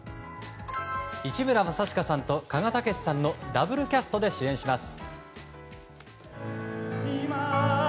市村正親さんと鹿賀丈史さんのダブルキャストで主演します。